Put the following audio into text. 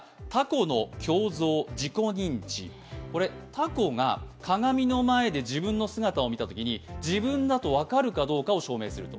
タコが鏡の前で自分の姿を見たときに自分だと分かるかどうかを証明すると。